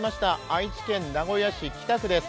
愛知県名古屋市北区です。